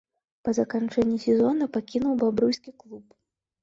Па заканчэнні сезона пакінуў бабруйскі клуб.